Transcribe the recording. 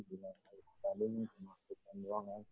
dua kali pertandingan cuma season doang ya